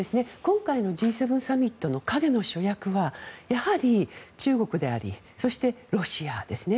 今回のＧ７サミットの陰の主役はやはり中国でありそしてロシアですね。